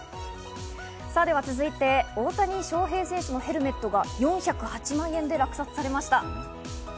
さぁでは続いて、大谷翔平選手のヘルメットが４０８万円で落札されました。